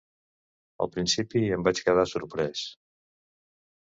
Al principi em vaig quedar sorprés...